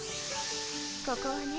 ここはね